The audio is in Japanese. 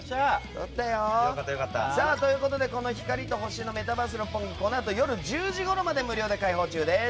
光と星のメタバース六本木はこのあと夜１０時ごろまで無料で開放中です。